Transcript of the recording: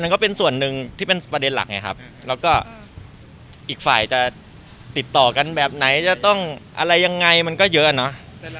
ก็เป็นส่วนหนึ่งที่เป็นประเด็นหลักไงครับแล้วก็อีกฝ่ายจะติดต่อกันแบบไหนจะต้องอะไรยังไงมันก็เยอะเนอะ